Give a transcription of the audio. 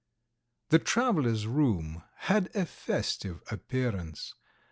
The "travellers' room" had a festive appearance.